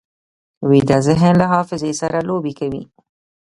ویده ذهن له حافظې سره لوبې کوي